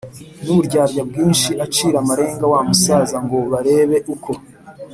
n’uburyarya bwinshi acira amarenga wa musaza ngo barebe uko